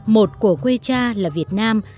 một của quê cha là việt nam